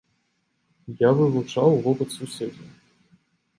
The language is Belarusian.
Я вывучаў вопыт суседзяў.